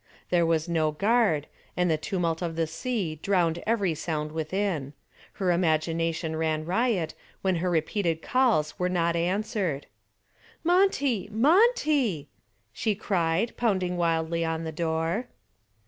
There was no guard, and the tumult of the sea drowned every sound within. Her imagination ran riot when her repeated calls were not answered. "Monty, Monty," she cried, pounding wildly on the door.